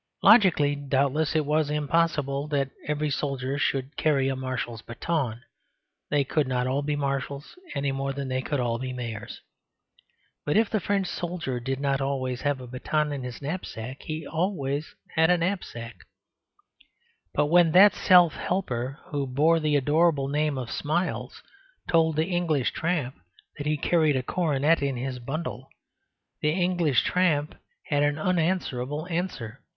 Logically, doubtless, it was impossible that every soldier should carry a marshal's baton; they could not all be marshals any more than they could all be mayors. But if the French soldier did not always have a baton in his knapsack, he always had a knapsack. But when that Self Helper who bore the adorable name of Smiles told the English tramp that he carried a coronet in his bundle, the English tramp had an unanswerable answer.